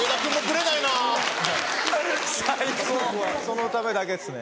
そのためだけですねはい。